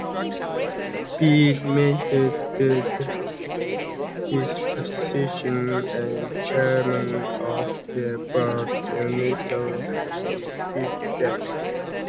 Bill maintained his position as Chairman of the Board until his death.